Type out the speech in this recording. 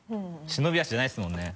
忍び足じゃないですもんね。